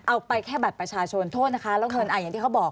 เอาไปแค่บัตรประชาชนโทษนะคะแล้วเงินอย่างที่เขาบอก